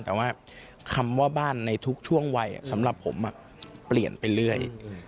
แต่ว่าคำว่าบ้านในทุกช่วงวัยสำหรับผมเปลี่ยนไปเรื่อย